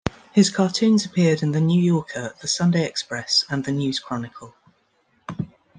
His cartoons appeared in "The New Yorker", the "Sunday Express" and the "News Chronicle".